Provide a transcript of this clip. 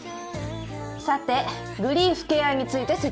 さてグリーフケアについて説明しておく。